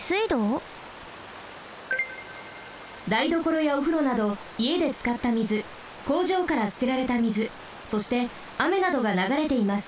だいどころやおふろなどいえでつかった水こうじょうからすてられた水そしてあめなどがながれています。